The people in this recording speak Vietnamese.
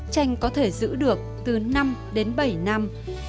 tranh có thể giữ được từ năm đến bảy năm